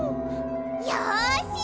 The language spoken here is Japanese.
よし！